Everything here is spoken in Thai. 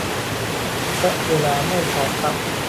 และเวลาไม่พอครับ